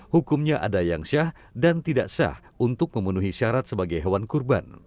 hukumnya ada yang syah dan tidak sah untuk memenuhi syarat sebagai hewan kurban